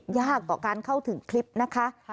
ยากต่อการเข้าถึงคลิปนะคะ